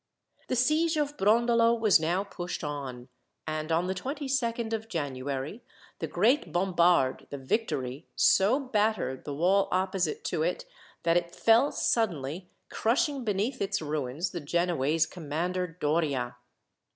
The siege of Brondolo was now pushed on, and on the 22nd of January the great bombard, the Victory, so battered the wall opposite to it that it fell suddenly, crushing beneath its ruins the Genoese commander, Doria.